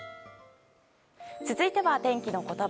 続いては天気のことば。